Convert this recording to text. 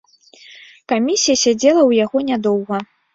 Камісія сядзела ў яго нядоўга.